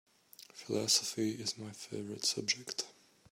Philosophy is my favorite subject.